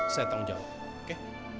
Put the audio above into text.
saya tanggung jawab